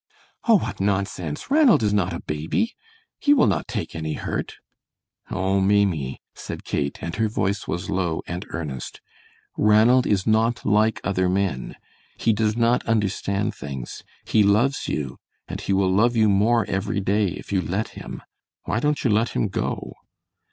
"Oh, what nonsense; Ranald is not a baby; he will not take any hurt." "Oh, Maimie," said Kate, and her voice was low and earnest, "Ranald is not like other men. He does not understand things. He loves you and he will love you more every day if you let him. Why don't you let him go?"